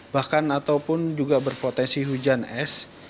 bahkan ataupun juga berpotensi hujan es